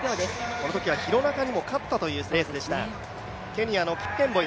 このときは廣中にも勝ったというレースでした。